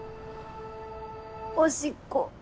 おしっこ。